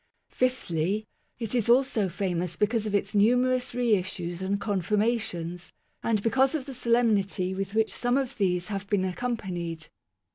Fifthly. It is also famous because of its numerous re issues and confirmations, and because of the sol emnity with which some of these have been accom panied.